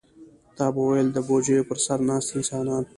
تا به ویل د بوجیو پر سر ناست انسانان.